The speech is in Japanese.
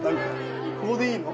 ここでいいの？